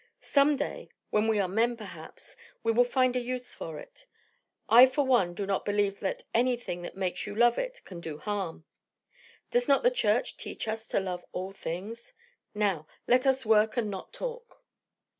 Some day, when we are men, perhaps, we will find a use for it. I for one do not believe that anything that makes you love it can do harm. Does not the Church teach us to love all things? Now let us work and not talk."